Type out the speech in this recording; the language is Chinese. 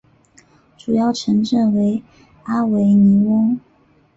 主要城镇为阿维尼翁。